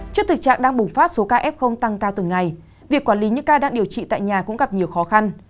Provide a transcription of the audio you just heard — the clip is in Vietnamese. trước thực trạng đang bùng phát số ca f tăng cao từng ngày việc quản lý những ca đang điều trị tại nhà cũng gặp nhiều khó khăn